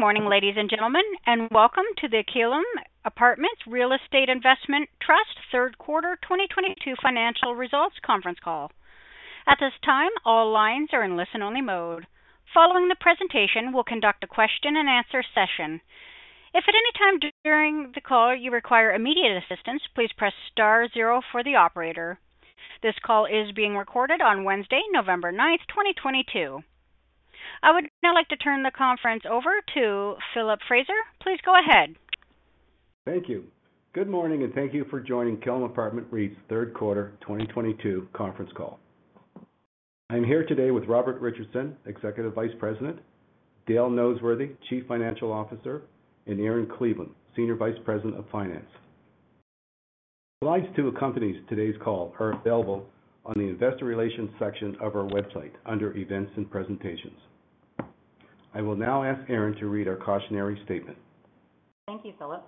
Good morning, ladies and gentlemen, and welcome to the Killam Apartment REIT Third Quarter 2022 Financial Results Conference Call. At this time, all lines are in listen-only mode. Following the presentation, we'll conduct a question-and-answer session. If at any time during the call you require immediate assistance, please press star zero for the operator. This call is being recorded on Wednesday, November 9th, 2022. I would now like to turn the conference over to Philip Fraser. Please go ahead. Thank you. Good morning, and thank you for joining Killam Apartment REIT's Third Quarter 2022 Conference Call. I'm here today with Robert Richardson, Executive Vice President, Dale Noseworthy, Chief Financial Officer, and Erin Cleveland, Senior Vice President of Finance. The slides to accompany today's call are available on the investor relations section of our website under events and presentations. I will now ask Erin to read our cautionary statement. Thank you, Philip.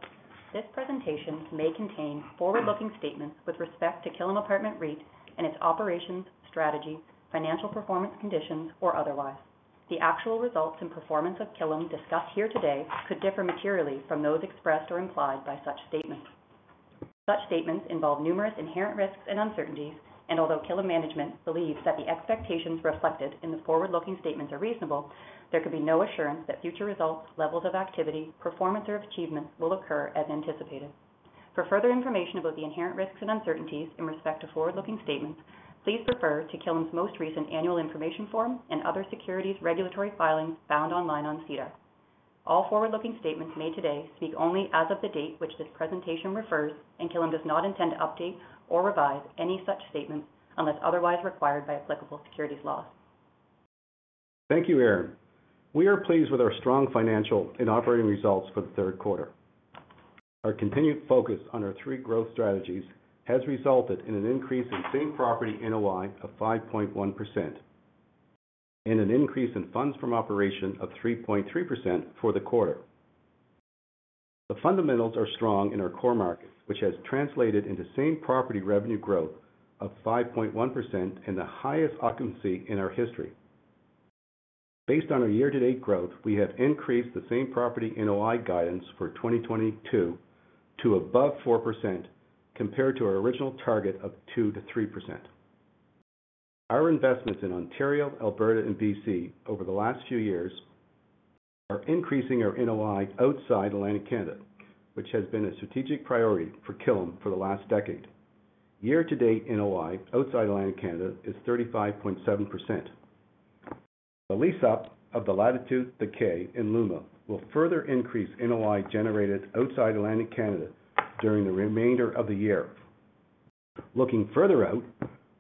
This presentation may contain forward-looking statements with respect to Killam Apartment REIT and its operations, strategy, financial performance conditions, or otherwise. The actual results and performance of Killam discussed here today could differ materially from those expressed or implied by such statements. Such statements involve numerous inherent risks and uncertainties, and although Killam management believes that the expectations reflected in the forward-looking statements are reasonable, there can be no assurance that future results, levels of activity, performance, or achievements will occur as anticipated. For further information about the inherent risks and uncertainties in respect to forward-looking statements, please refer to Killam's most recent annual information form and other securities regulatory filings found online on SEDAR. All forward-looking statements made today speak only as of the date which this presentation refers, and Killam does not intend to update or revise any such statements unless otherwise required by applicable securities laws. Thank you, Erin. We are pleased with our strong financial and operating results for the third quarter. Our continued focus on our three growth strategies has resulted in an increase in same property NOI of 5.1% and an increase in Funds from Operation of 3.3% for the quarter. The fundamentals are strong in our core markets, which has translated into same property revenue growth of 5.1% and the highest occupancy in our history. Based on our year-to-date growth, we have increased the same property NOI guidance for 2022 to above 4% compared to our original target of 2% to 3%. Our investments in Ontario, Alberta, and BC over the last few years are increasing our NOI outside Atlantic Canada, which has been a strategic priority for Killam for the last decade. Year-to-date NOI outside Atlantic Canada is 35.7%. The lease-up of the Latitude, The Kay, and Luma will further increase NOI generated outside Atlantic Canada during the remainder of the year. Looking further out,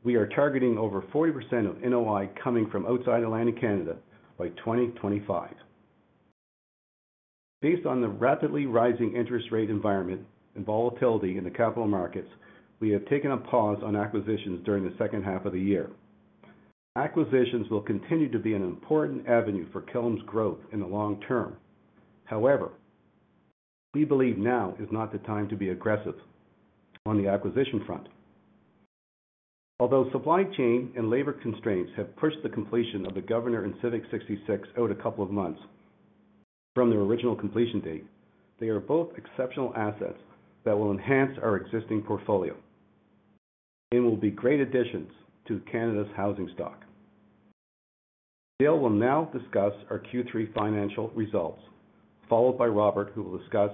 we are targeting over 40% of NOI coming from outside Atlantic Canada by 2025. Based on the rapidly rising interest rate environment and volatility in the capital markets, we have taken a pause on acquisitions during the second half of the year. Acquisitions will continue to be an important avenue for Killam's growth in the long term. However, we believe now is not the time to be aggressive on the acquisition front. Although supply chain and labor constraints have pushed the completion of The Governor and Civic 66 out a couple of months from their original completion date, they are both exceptional assets that will enhance our existing portfolio and will be great additions to Canada's housing stock. Dale will now discuss our Q3 financial results, followed by Robert, who will discuss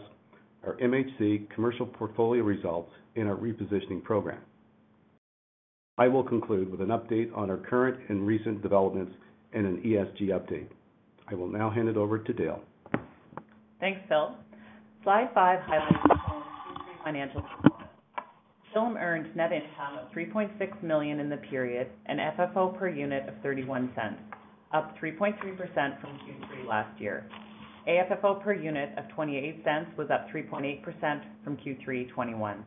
our MHC commercial portfolio results in our repositioning program. I will conclude with an update on our current and recent developments and an ESG update. I will now hand it over to Dale. Thanks, Phil. Slide 5 highlights Killam's Q3 financial performance. Killam earned net income of 3.6 million in the period and FFO per unit of 0.31, up 3.3% from Q3 last year. AFFO per unit of 0.28 was up 3.8% from Q3 2021.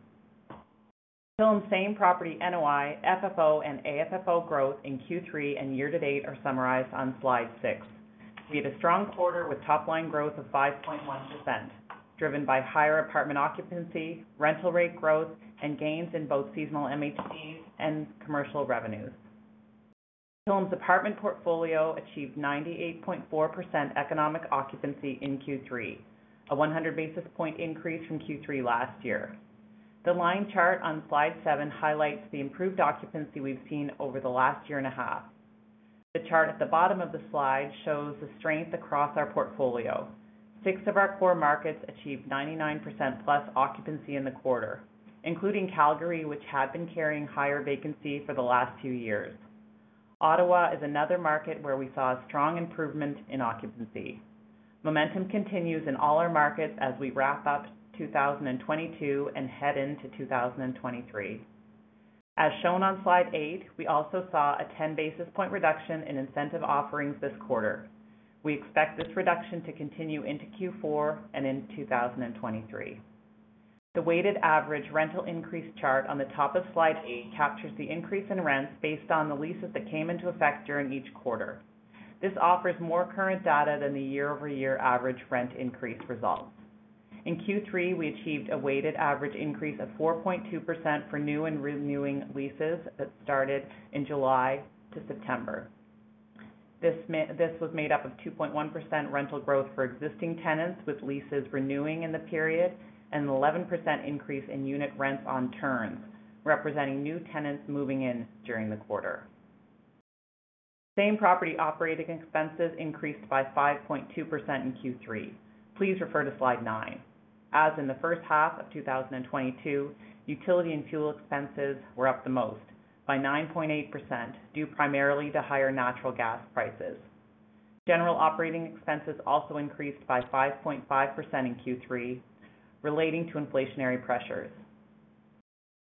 Killam's same property NOI, FFO, and AFFO growth in Q3 and year to date are summarized on Slide 6. We had a strong quarter with top-line growth of 5.1%, driven by higher apartment occupancy, rental rate growth, and gains in both seasonal MHPs and commercial revenues. Killam's apartment portfolio achieved 98.4% economic occupancy in Q3, a 100 basis points increase from Q3 last year. The line chart on Slide 7 highlights the improved occupancy we've seen over the last year and a half. The chart at the bottom of the slide shows the strength across our portfolio. Six of our core markets achieved 99%+ occupancy in the quarter, including Calgary, which had been carrying higher vacancy for the last few years. Ottawa is another market where we saw a strong improvement in occupancy. Momentum continues in all our markets as we wrap up 2022 and head into 2023. As shown on Slide 8, we also saw a 10 basis point reduction in incentive offerings this quarter. We expect this reduction to continue into Q4 and in 2023. The weighted average rental increase chart on the top of Slide 8 captures the increase in rents based on the leases that came into effect during each quarter. This offers more current data than the year-over-year average rent increase results. In Q3, we achieved a weighted average increase of 4.2% for new and renewing leases that started in July to September. This was made up of 2.1% rental growth for existing tenants with leases renewing in the period, and 11% increase in unit rents on turns, representing new tenants moving in during the quarter. Same property operating expenses increased by 5.2% in Q3. Please refer to Slide 9. As in the first half of 2022, utility and fuel expenses were up the most by 9.8%, due primarily to higher natural gas prices. General operating expenses also increased by 5.5% in Q3 relating to inflationary pressures.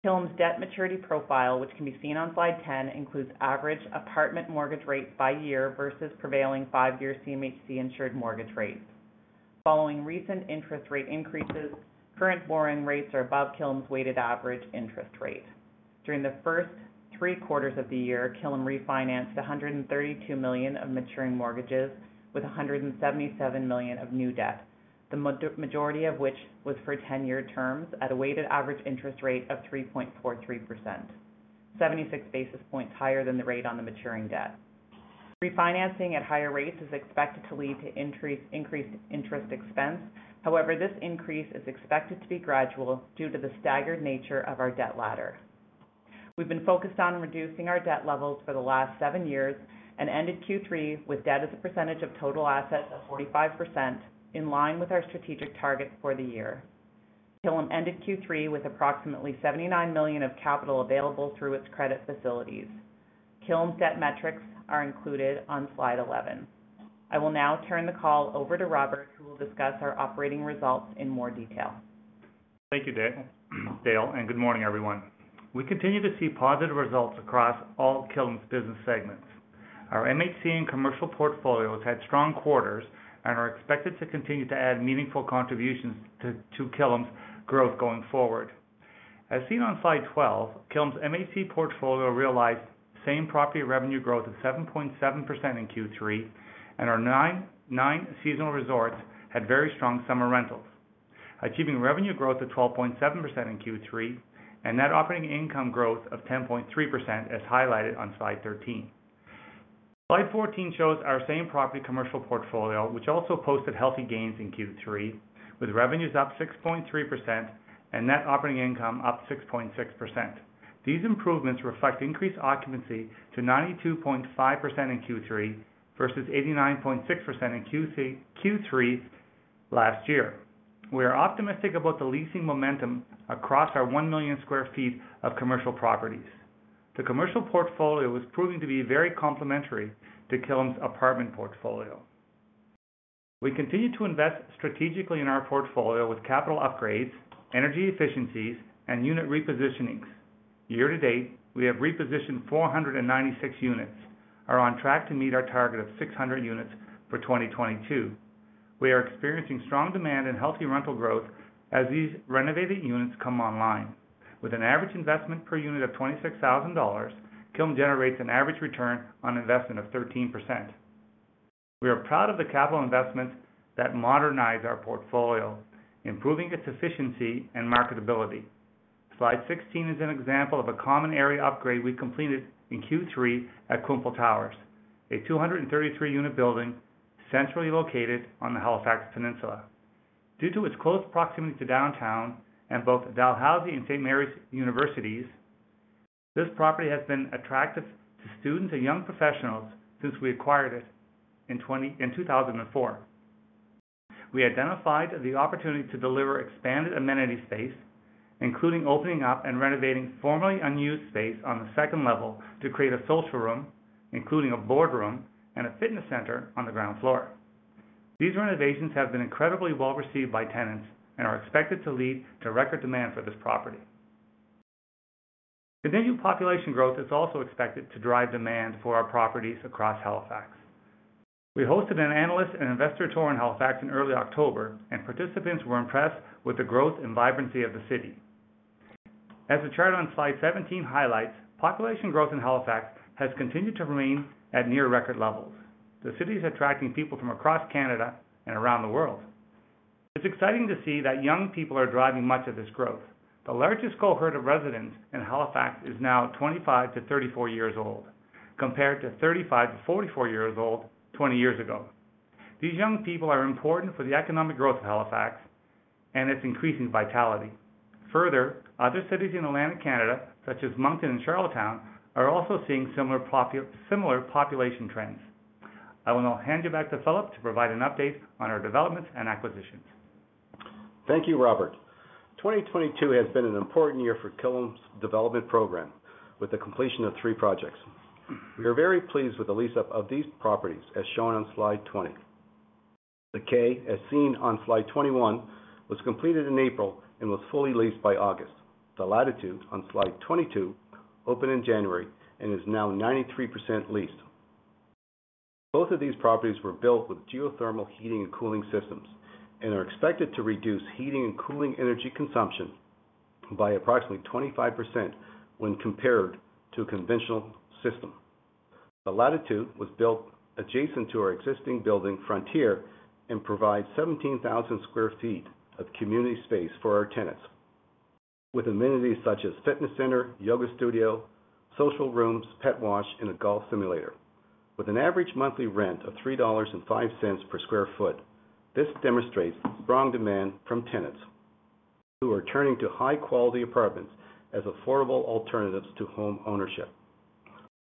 Killam's debt maturity profile, which can be seen on Slide 10, includes average apartment mortgage rates by year versus prevailing five-year CMHC-insured mortgage rates. Following recent interest rate increases, current borrowing rates are above Killam's weighted average interest rate. During the first three quarters of the year, Killam refinanced 132 million of maturing mortgages with 177 million of new debt, the majority of which was for 10-year terms at a weighted average interest rate of 3.43%, 76 basis points higher than the rate on the maturing debt. Refinancing at higher rates is expected to lead to increased interest expense. However, this increase is expected to be gradual due to the staggered nature of our debt ladder. We've been focused on reducing our debt levels for the last seven years and ended Q3 with debt as a percentage of total assets of 45%, in line with our strategic targets for the year. Killam ended Q3 with approximately 79 million of capital available through its credit facilities. Killam's debt metrics are included on Slide 11. I will now turn the call over to Robert, who will discuss our operating results in more detail. Thank you, Dale, and good morning, everyone. We continue to see positive results across all Killam's business segments. Our MHC and commercial portfolios had strong quarters and are expected to continue to add meaningful contributions to Killam's growth going forward. As seen on Slide 12, Killam's MHC portfolio realized same property revenue growth of 7.7% in Q3, and our nine seasonal resorts had very strong summer rentals, achieving revenue growth of 12.7% in Q3, and net operating income growth of 10.3%, as highlighted on Slide 13. Slide 14 shows our same property commercial portfolio, which also posted healthy gains in Q3, with revenues up 6.3% and net operating income up 6.6%. These improvements reflect increased occupancy to 92.5% in Q3 versus 89.6% in Q3 last year. We are optimistic about the leasing momentum across our 1 million sq ft of commercial properties. The commercial portfolio is proving to be very complementary to Killam's apartment portfolio. We continue to invest strategically in our portfolio with capital upgrades, energy efficiencies, and unit repositionings. Year-to-date, we have repositioned 496 units, are on track to meet our target of 600 units for 2022. We are experiencing strong demand and healthy rental growth as these renovated units come online. With an average investment per unit of 26,000 dollars, Killam generates an average return on investment of 13%. We are proud of the capital investments that modernize our portfolio, improving its efficiency and marketability. Slide 16 is an example of a common area upgrade we completed in Q3 at Cunard Towers, a 233-unit building centrally located on the Halifax Peninsula. Due to its close proximity to downtown and both Dalhousie and Saint Mary's Universities, this property has been attractive to students and young professionals since we acquired it in 2004. We identified the opportunity to deliver expanded amenity space, including opening up and renovating formerly unused space on the second level to create a social room, including a boardroom and a fitness center on the ground floor. These renovations have been incredibly well-received by tenants and are expected to lead to record demand for this property. Continued population growth is also expected to drive demand for our properties across Halifax. We hosted an analyst and investor tour in Halifax in early October, and participants were impressed with the growth and vibrancy of the city. As the chart on Slide 17 highlights, population growth in Halifax has continued to remain at near record levels. The city is attracting people from across Canada and around the world. It's exciting to see that young people are driving much of this growth. The largest cohort of residents in Halifax is now 25 to 34 years old, compared to 35 to 44 years old 20 years ago. These young people are important for the economic growth of Halifax and its increasing vitality. Further, other cities in Atlantic Canada, such as Moncton and Charlottetown, are also seeing similar population trends. I will now hand you back to Philip to provide an update on our developments and acquisitions. Thank you, Robert. 2022 has been an important year for Killam's development program with the completion of three projects. We are very pleased with the lease-up of these properties, as shown on Slide 20. The Kay, as seen on Slide 21, was completed in April and was fully leased by August. The Latitude on Slide 22 opened in January and is now 93% leased. Both of these properties were built with geothermal heating and cooling systems and are expected to reduce heating and cooling energy consumption by approximately 25% when compared to a conventional system. The Latitude was built adjacent to our existing building Frontier, and provides 17,000 sq ft of community space for our tenants with amenities such as fitness center, yoga studio, social rooms, pet wash, and a golf simulator. With an average monthly rent of 3.05 dollars per sq ft, this demonstrates strong demand from tenants who are turning to high quality apartments as affordable alternatives to home ownership.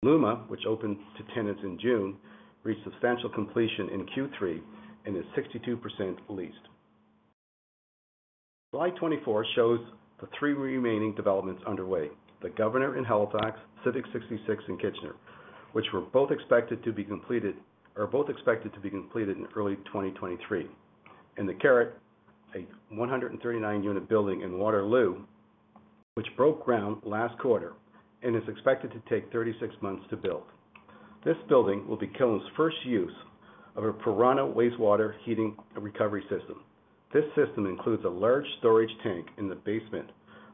Luma, which opened to tenants in June, reached substantial completion in Q3 and is 62% leased. Slide 24 shows the three remaining developments underway. The Governor in Halifax, Civic 66 in Kitchener, which are both expected to be completed in early 2023. The Carrick, a 139-unit building in Waterloo, which broke ground last quarter and is expected to take 36 months to build. This building will be Killam's first use of a SHARC wastewater heating and recovery system. This system includes a large storage tank in the basement,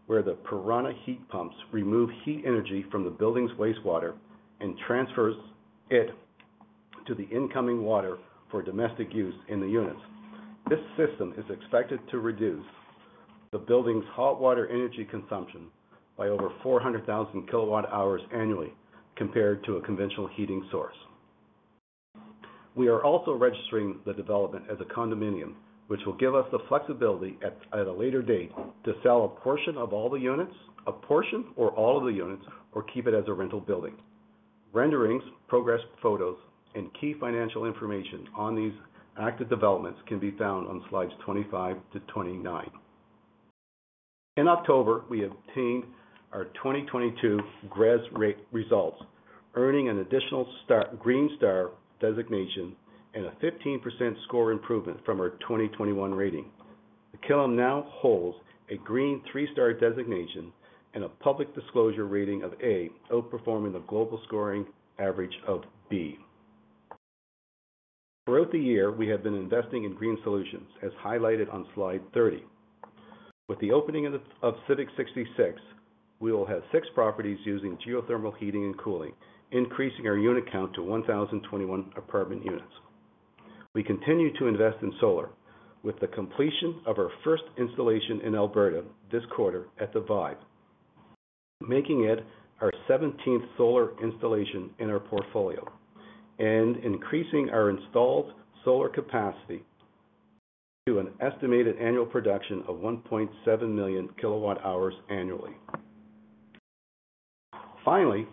where the SHARC heat pumps remove heat energy from the building's wastewater and transfers it to the incoming water for domestic use in the units. This system is expected to reduce the building's hot water energy consumption by over 400,000 kWh annually compared to a conventional heating source. We are also registering the development as a condominium, which will give us the flexibility at a later date to sell a portion of all the units, a portion or all of the units, or keep it as a rental building. Renderings, progress photos, and key financial information on these active developments can be found on Slides 25 to 29. In October, we obtained our 2022 GRESB rating results, earning an additional four-green star designation and a 15% score improvement from our 2021 rating. Killam now holds a green 3-star designation and a public disclosure rating of A, outperforming the global scoring average of B. Throughout the year, we have been investing in green solutions, as highlighted on Slide 30. With the opening of Civic 66, we will have six properties using geothermal heating and cooling, increasing our unit count to 1,021 apartment units. We continue to invest in solar with the completion of our first installation in Alberta this quarter at The Vibe, making it our 17th solar installation in our portfolio and increasing our installed solar capacity to an estimated annual production of 1.7 million kWh annually. Finally,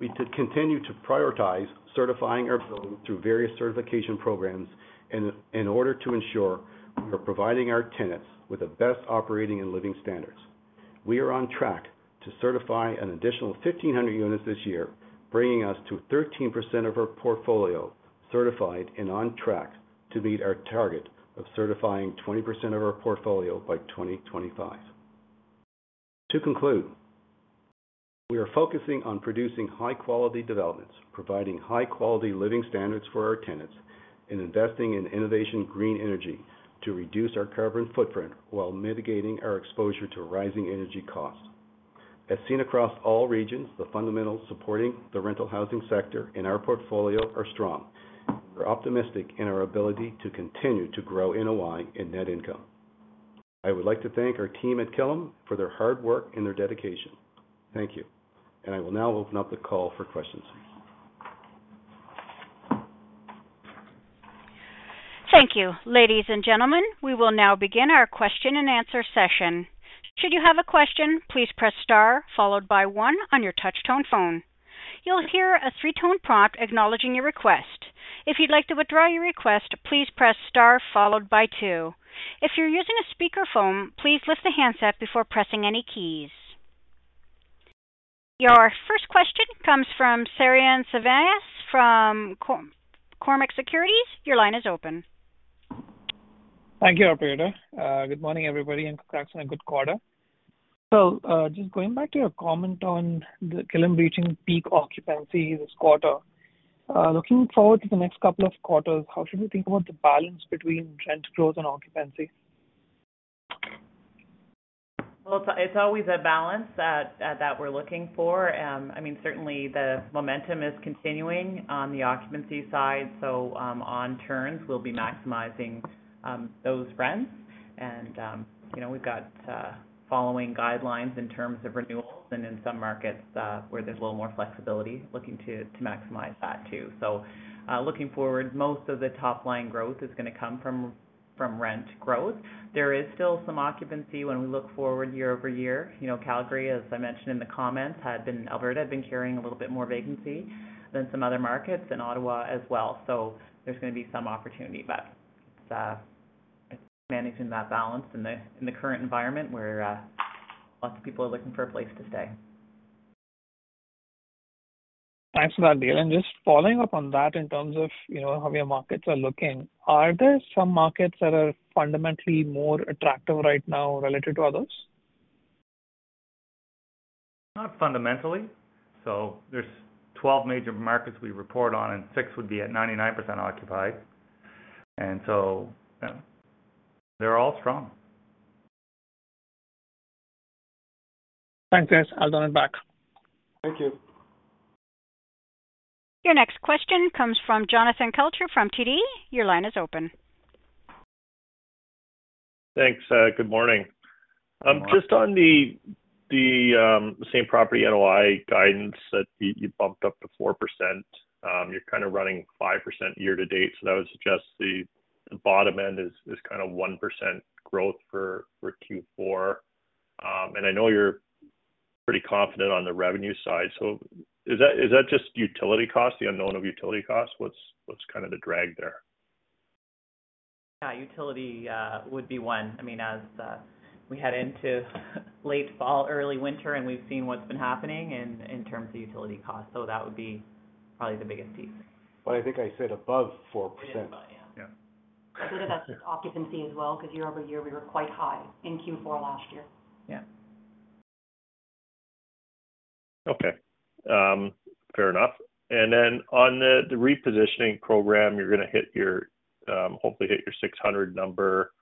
we continue to prioritize certifying our buildings through various certification programs in order to ensure we are providing our tenants with the best operating and living standards. We are on track to certify an additional 1,500 units this year, bringing us to 13% of our portfolio certified and on track to meet our target of certifying 20% of our portfolio by 2025. To conclude, we are focusing on producing high quality developments, providing high quality living standards for our tenants, and investing in innovative green energy to reduce our carbon footprint while mitigating our exposure to rising energy costs. As seen across all regions, the fundamentals supporting the rental housing sector in our portfolio are strong. We're optimistic in our ability to continue to grow NOI and net income. I would like to thank our team at Killam for their hard work and their dedication. Thank you. I will now open up the call for questions. Thank you. Ladies and gentlemen, we will now begin our question and answer session. Should you have a question, please press star followed by one on your touch tone phone. You'll hear a three-tone prompt acknowledging your request. If you'd like to withdraw your request, please press star followed by two. If you're using a speakerphone, please lift the handset before pressing any keys. Your first question comes from Sairam Srinivas from Cormark Securities. Your line is open. Thank you, operator. Good morning, everybody, and congrats on a good quarter. Just going back to your comment on the Killam reaching peak occupancy this quarter. Looking forward to the next couple of quarters, how should we think about the balance between rent growth and occupancy? Well, it's always a balance that we're looking for. I mean, certainly the momentum is continuing on the occupancy side. On turns we'll be maximizing those rents. You know, we've got following guidelines in terms of renewals and in some markets where there's a little more flexibility looking to maximize that too. Looking forward, most of the top-line growth is gonna come from rent growth. There is still some occupancy when we look forward year-over-year. You know, Calgary, as I mentioned in the comments, Alberta had been carrying a little bit more vacancy than some other markets, and Ottawa as well. There's gonna be some opportunity, but it's managing that balance in the current environment where lots of people are looking for a place to stay. Thanks for that, Dale. Just following up on that in terms of, you know, how your markets are looking. Are there some markets that are fundamentally more attractive right now relative to others? Not fundamentally. There's 12 major markets we report on, and six would be at 99% occupied. You know, they're all strong. Thanks, guys. I'll turn it back. Thank you. Your next question comes from Jonathan Kelcher from TD. Your line is open. Thanks. Good morning. Good morning. Just on the same property NOI guidance that you bumped up to 4%. You're kind of running 5% year-to-date, so that would suggest the bottom end is kind of 1% growth for Q4. I know you're pretty confident on the revenue side, so is that just utility costs, the unknown of utility costs? What's kind of the drag there? Yeah, utility, would be one. I mean, as we head into late fall, early winter, and we've seen what's been happening in terms of utility costs. That would be probably the biggest piece. I think I said above 4%. It is above, yeah. Yeah. A bit of that's just occupancy as well, because year-over-year we were quite high in Q4 last year. Yeah. Okay. Fair enough. Then on the repositioning program, you're gonna hit your, hopefully hit your 600 number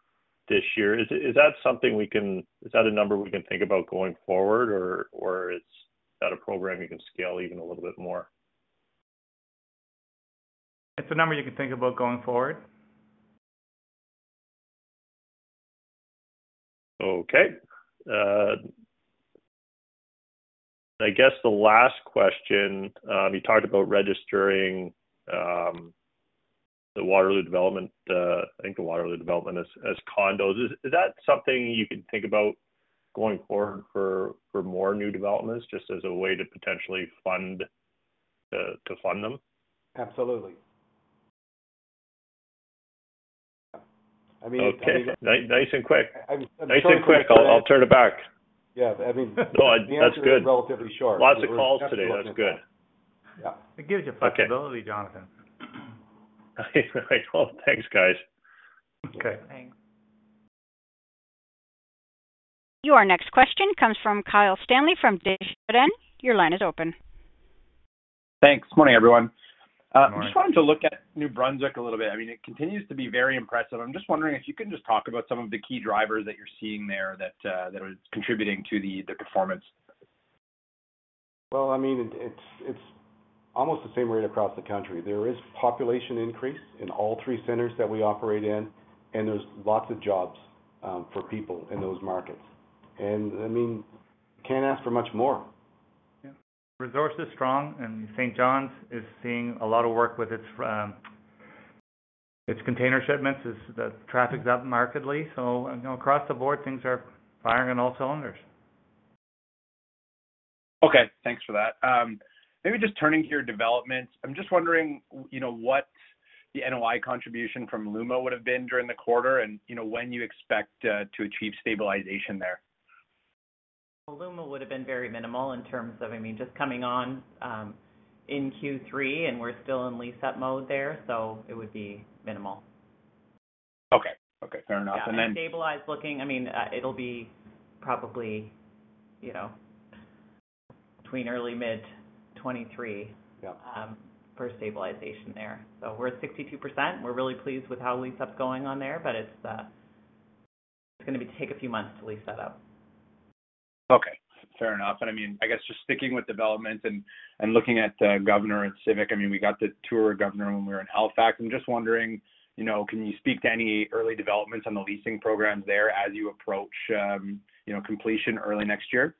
this year. Is that a number we can think about going forward or is that a program you can scale even a little bit more? It's a number you can think about going forward. Okay. I guess the last question, you talked about registering the Waterloo development, I think the Waterloo development as condos. Is that something you can think about going forward for more new developments just as a way to potentially fund them? Absolutely. I mean. Okay. Nice and quick. I'm sorry. Nice and quick. I'll turn it back. Yeah. I mean. That's good. The answer is relatively short. Lots of calls today. That's good. Yeah. It gives you flexibility, Jonathan. Well, thanks, guys. Okay. Thanks. Your next question comes from Kyle Stanley from Desjardins. Your line is open. Thanks. Morning, everyone. Morning. I just wanted to look at New Brunswick a little bit. I mean, it continues to be very impressive. I'm just wondering if you can just talk about some of the key drivers that you're seeing there that is contributing to the performance. Well, I mean, it's almost the same rate across the country. There is population increase in all three centers that we operate in, and there's lots of jobs, for people in those markets. I mean, can't ask for much more. Yeah. Resource is strong, and Saint John is seeing a lot of work with its container shipments. The traffic's up markedly. You know, across the board, things are firing on all cylinders. Okay. Thanks for that. Maybe just turning to your developments. I'm just wondering, you know, what the NOI contribution from Luma would've been during the quarter and, you know, when you expect to achieve stabilization there. Well, Luma would've been very minimal in terms of, I mean, just coming on in Q3, and we're still in lease-up mode there, so it would be minimal. Okay. Fair enough. I mean, it'll be probably, you know, between early mid 2023— Yeah. For stabilization there. We're at 62%. We're really pleased with how lease-up's going on there, but it's gonna take a few months to lease that up. Okay. Fair enough. I mean, I guess just sticking with developments and looking at The Governor and Civic 66. I mean, we got to tour The Governor when we were in Halifax. I'm just wondering, you know, can you speak to any early developments on the leasing programs there as you approach, you know, completion early next year?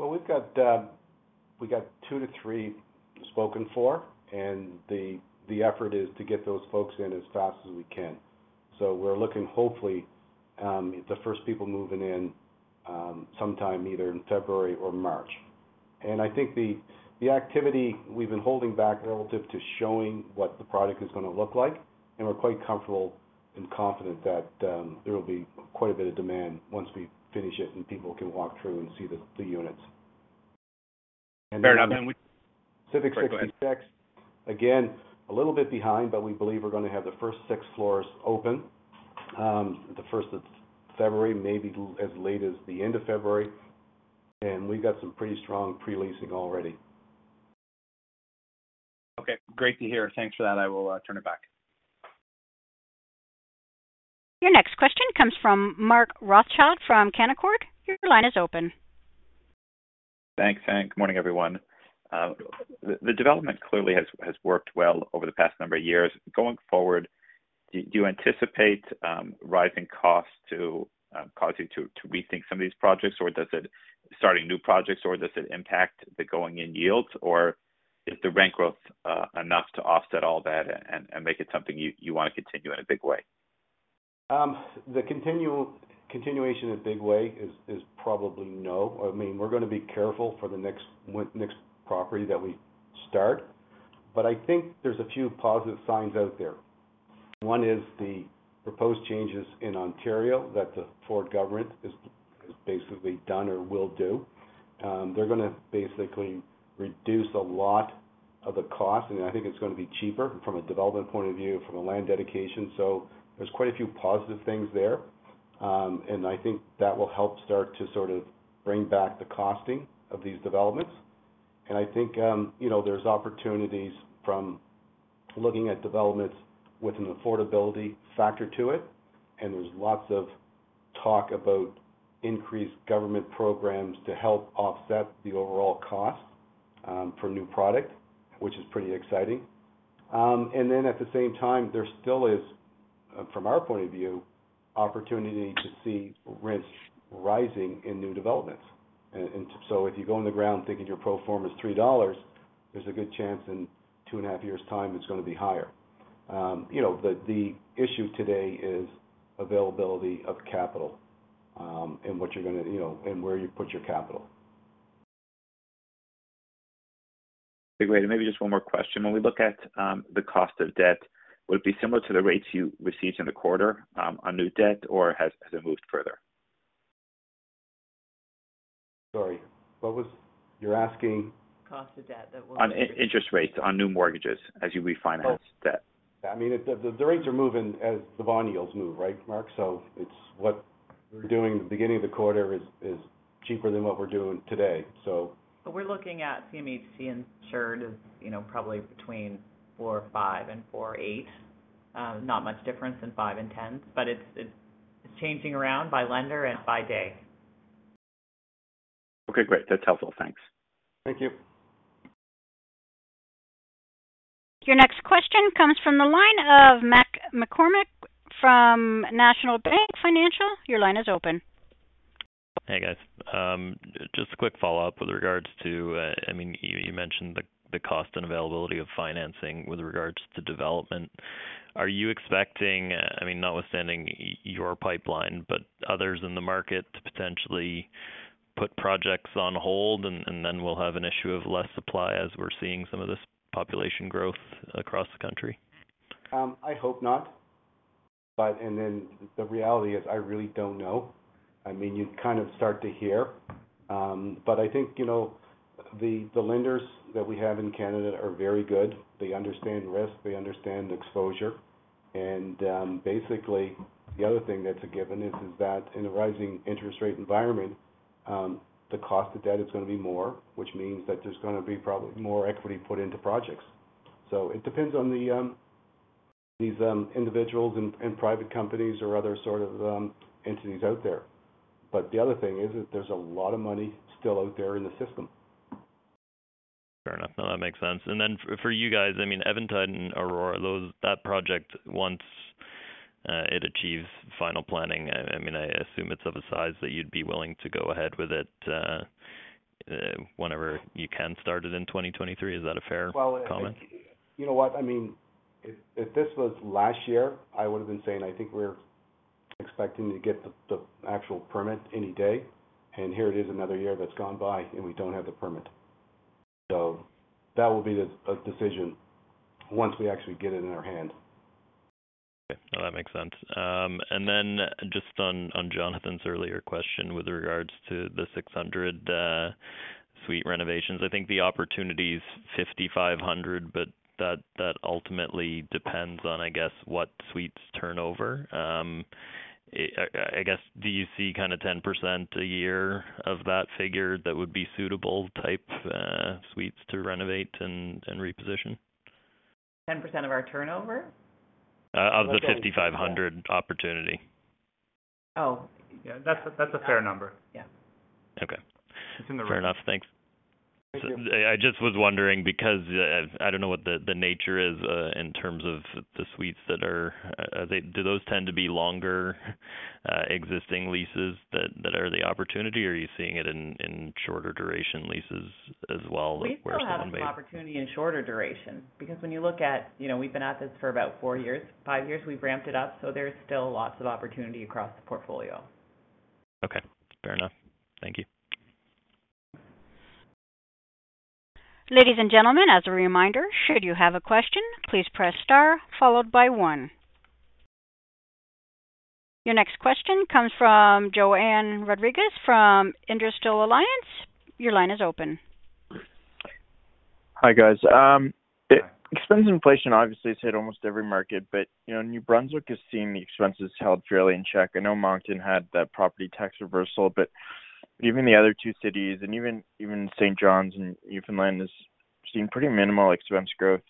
Well, we've got two to three spoken for, and the effort is to get those folks in as fast as we can. We're looking hopefully the first people moving in sometime either in February or March. I think the activity we've been holding back relative to showing what the product is gonna look like, and we're quite comfortable and confident that there will be quite a bit of demand once we finish it and people can walk through and see the units. Fair enough. Civic 66. Go ahead. Again, a little bit behind, but we believe we're gonna have the first six floors open, the first of February, maybe as late as the end of February. We've got some pretty strong pre-leasing already. Okay. Great to hear. Thanks for that. I will turn it back. Your next question comes from Mark Rothschild from Canaccord Genuity. Your line is open. Thanks. Thanks. Good morning, everyone. The development clearly has worked well over the past number of years. Going forward, do you anticipate rising costs to cause you to rethink some of these projects, or does it impact the going in yields? Is the rent growth enough to offset all that and make it something you wanna continue in a big way? The continuation in a big way is probably no. I mean, we're gonna be careful for the next property that we start. I think there's a few positive signs out there. One is the proposed changes in Ontario that the Ford government has basically done or will do. They're gonna basically reduce a lot of the cost, and I think it's gonna be cheaper from a development point of view, from a land dedication. There's quite a few positive things there. I think that will help start to sort of bring back the costing of these developments. I think, you know, there's opportunities from looking at developments with an affordability factor to it, and there's lots of talk about increased government programs to help offset the overall cost, for new product, which is pretty exciting. There still is, from our point of view, opportunity to see rents rising in new developments. If you go in the ground thinking your pro-forma is 3 dollars, there's a good chance in two and a half years' time, it's gonna be higher. You know, the issue today is availability of capital, you know, and where you put your capital. Okay, great. Maybe just one more question. When we look at the cost of debt, would it be similar to the rates you received in the quarter on new debt, or has it moved further? Sorry, what was? You're asking. Cost of debt that we'll— On interest rates on new mortgages as you refinance debt. I mean, the rates are moving as the bond yields move, right, Mark? It's what we're doing at the beginning of the quarter is cheaper than what we're doing today, so. We're looking at CMHC insured as, you know, probably between 4.5% and 4.8%. Not much difference in five and tens, but it's changing around by lender and by day. Okay, great. That tells all. Thanks. Thank you. Your next question comes from the line of Matt Kornack from National Bank Financial. Your line is open. Hey, guys. Just a quick follow-up with regards to you mentioned the cost and availability of financing with regards to development. Are you expecting, notwithstanding your pipeline, but others in the market to potentially put projects on hold and then we'll have an issue of less supply as we're seeing some of this population growth across the country? I hope not, but the reality is I really don't know. I mean, you kind of start to hear. I think, you know, the lenders that we have in Canada are very good. They understand risk, they understand exposure. Basically, the other thing that's a given is that in a rising interest rate environment, the cost of debt is gonna be more, which means that there's gonna be probably more equity put into projects. It depends on these individuals and private companies or other sort of entities out there. The other thing is that there's a lot of money still out there in the system. Fair enough. No, that makes sense. Then for you guys, I mean, Eventide and Aurora, that project, once it achieves final planning, I mean, I assume it's of a size that you'd be willing to go ahead with it, whenever you can start it in 2023. Is that a fair comment? Well, you know what? I mean, if this was last year, I would've been saying, I think we're expecting to get the actual permit any day, and here it is another year that's gone by, and we don't have the permit. That will be a decision once we actually get it in our hand. Okay. No, that makes sense. Just on Jonathan's earlier question with regards to the 600 suite renovations. I think the opportunity is 5,500, but that ultimately depends on, I guess, what suites turnover. I guess, do you see kinda 10% a year of that figure that would be suitable type suites to renovate and reposition? 10% of our turnover? of the 5,500 opportunity. Yeah, that's a fair number. Yeah. Okay. It's in the range. Fair enough. Thanks. Thank you. I just was wondering because I don't know what the nature is in terms of the suites that are. Do those tend to be longer existing leases that are the opportunity, or are you seeing it in shorter duration leases as well where somebody- We still have some opportunity in shorter duration because when you look at, you know, we've been at this for about four years, five years, we've ramped it up, so there's still lots of opportunity across the portfolio. Okay, fair enough. Thank you. Ladies and gentlemen, as a reminder, should you have a question, please press star followed by one. Your next question comes from Johann Rodrigues from Industrial Alliance. Your line is open. Hi, guys. Expense inflation obviously has hit almost every market, but, you know, New Brunswick has seen the expenses held really in check. I know Moncton had that property tax reversal, but even the other two cities and even Saint John in New Brunswick has seen pretty minimal expense growth,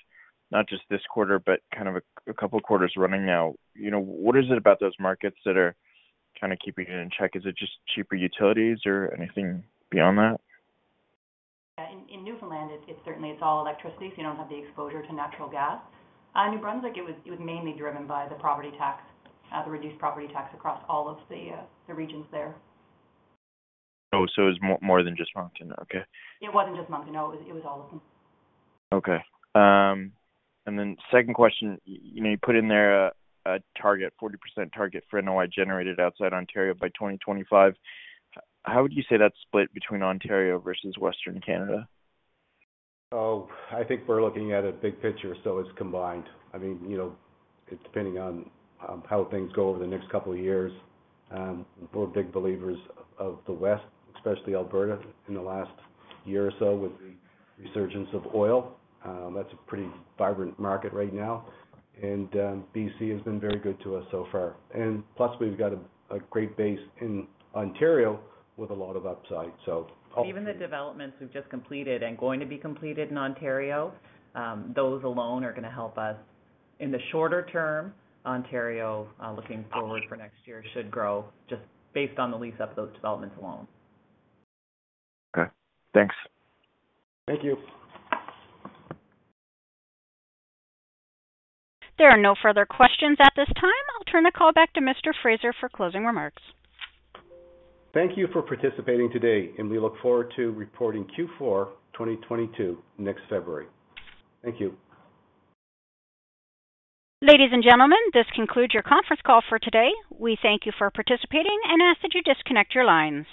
not just this quarter, but kind of a couple quarters running now. You know, what is it about those markets that are kinda keeping it in check? Is it just cheaper utilities or anything beyond that? Yeah. In Newfoundland, it's certainly all electricity, so you don't have the exposure to natural gas. New Brunswick, it was mainly driven by the property tax, the reduced property tax across all of the regions there. Oh, it's more than just Moncton. Okay. It wasn't just Moncton. No. It was all of them. Okay. Second question. You know, you put in there a target, 40% target for NOI generated outside Ontario by 2025. How would you say that's split between Ontario versus Western Canada? I think we're looking at a big picture, so it's combined. I mean, you know, it's depending on how things go over the next couple of years. We're big believers of the West, especially Alberta in the last year or so with the resurgence of oil. That's a pretty vibrant market right now. BC has been very good to us so far. Plus we've got a great base in Ontario with a lot of upside. Hopefully. Even the developments we've just completed and going to be completed in Ontario, those alone are gonna help us. In the shorter term, Ontario, looking forward for next year should grow just based on the lease up those developments alone. Okay. Thanks. Thank you. There are no further questions at this time. I'll turn the call back to Mr. Fraser for closing remarks. Thank you for participating today, and we look forward to reporting Q4 2022 next February. Thank you. Ladies and gentlemen, this concludes your conference call for today. We thank you for participating and ask that you disconnect your lines.